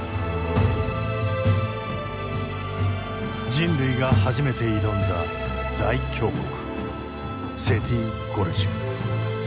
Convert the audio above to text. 人類が初めて挑んだ大峡谷セティ・ゴルジュ。